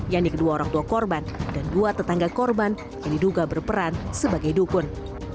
yang kedua orang tua korban dan dua tetangga korban yang diduga berperan sebagai dukun